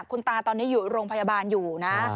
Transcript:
คุณตาตอนนี้อยู่โรงพยาบาลอยู่นะ